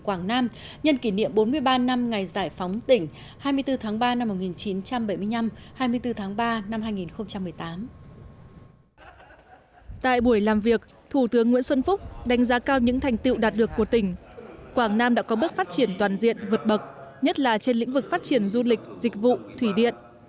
quảng nam đã có bước phát triển toàn diện vượt bậc nhất là trên lĩnh vực phát triển du lịch dịch vụ thủy điện